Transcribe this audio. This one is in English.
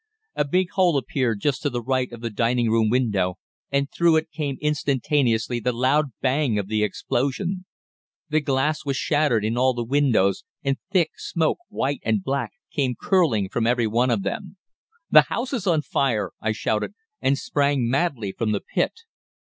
A big hole appeared just to the right of the dining room window, and through it came instantaneously the loud bang of the explosion. The glass was shattered in all the windows, and thick smoke, white and black, came curling from every one of them. "'The house is on fire!' I shouted, and sprang madly from the pit.